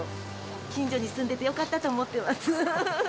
近所に住んでてよかったなと思ってます。